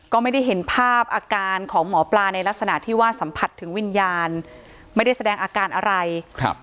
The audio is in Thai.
ก็ไม่ได้เห็นภาพอาการของหมอปลาในลักษณะที่ว่าสัมผัสถึงวิญญาณไม่ได้แสดงอาการอะไรครับ